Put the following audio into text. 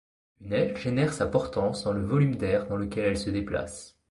Une aile génère sa portance dans le volume d'air dans lequel elle se déplace.